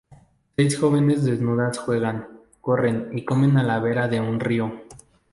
Seis jóvenes mujeres desnudas juegan, corren y comen a la vera de un río.